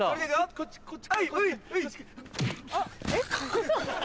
こっちこっち。